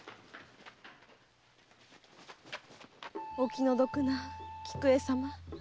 お気の毒な菊絵様。